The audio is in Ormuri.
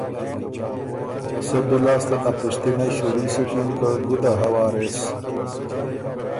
سۀ بی لاسته ا پِشتِنئ شوري سُکِن که ګُده هۀ وارث۔